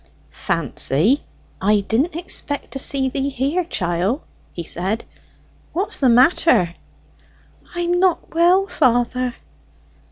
"Fancy, I didn't expect to see thee here, chiel," he said. "What's the matter?" "I'm not well, father."